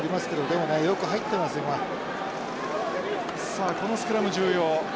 さあこのスクラム重要。